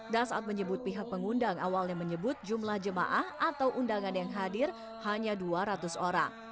dasat menyebut pihak pengundang awalnya menyebut jumlah jemaah atau undangan yang hadir hanya dua ratus orang